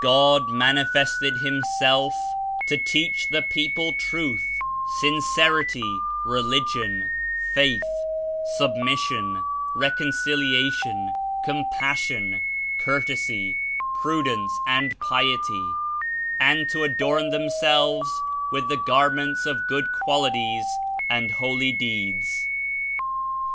"God manifested Himself to teach the people truth, sincerity, religion, faith, submission, reconciliation, compassion, courtesy, prudence and piety, and to adorn themselves with the garments of good qualities and holy deeds.